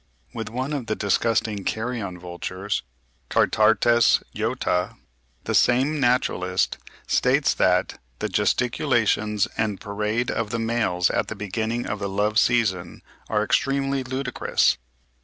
With one of the disgusting carrion vultures (Cathartes jota) the same naturalist states that "the gesticulations and parade of the males at the beginning of the love season are extremely ludicrous."